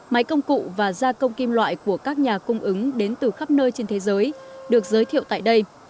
máy công cụ và gia công kim loại của các nhà cung ứng đến từ khắp nơi trên thế giới được giới thiệu tại đây